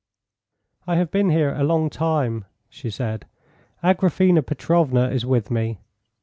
"I have been here a long time," she said. "Agraphena Petrovna is with me."